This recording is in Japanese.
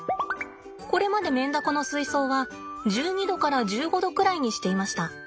これまでメンダコの水槽は１２℃から１５℃くらいにしていました。